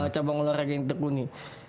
cabang olahraga yang tukunin